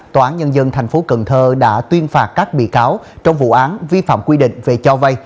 tòa án nhân dân tp cần thơ đã tuyên phạt các bị cáo trong vụ án vi phạm quy định về cho vay